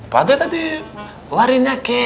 padel tadi warinya ke